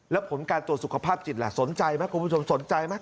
แล้วผลการตรวจสุขภาพจิตล่ะสนใจไหมคุณผู้ชมสนใจไหม